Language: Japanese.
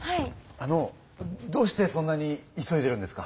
あのどうしてそんなに急いでるんですか？